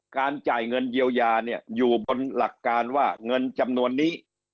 การจ่ายเงินเยียวยาเนี่ยอยู่บนหลักการว่าเงินจำนวนนี้